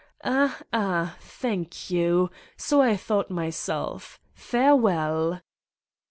Ah, Ah! Thank you. So I thought myself. Farewell